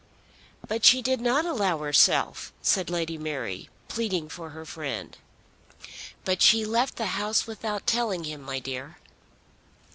"But she did not allow herself," said Lady Mary, pleading for her friend. "But she left the house without telling him, my dear."